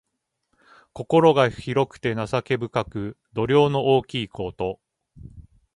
心が広くて情け深く、度量の大きいこと。